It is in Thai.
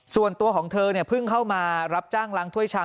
ส่วนตัวของเธอเนี่ยเพิ่งเข้ามารับจ้างล้างถ้วยชาม